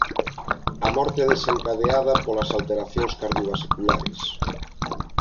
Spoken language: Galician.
A morte é desencadeada polas alteracións cardiovasculares.